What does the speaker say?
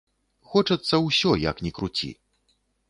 Хочацца ўсё, як ні круці.